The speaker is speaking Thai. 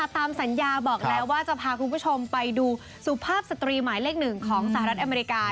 ตามสัญญาบอกแล้วว่าจะพาคุณผู้ชมไปดูสุภาพสตรีหมายเลข๑ของสหรัฐอเมริกา